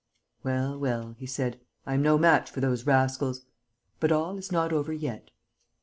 "Well, well," he said, "I am no match for those rascals. But all is not over yet."